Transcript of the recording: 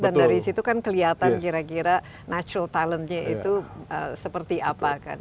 dan dari situ kelihatan kira kira natural talentnya itu seperti apa kan